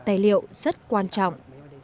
tài liệu rất quan trọng